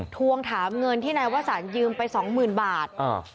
ทวงถามเงินที่นายวสันยืมไปสองหมื่นบาท